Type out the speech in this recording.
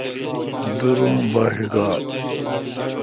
دور اوں با ݭ گاڑ۔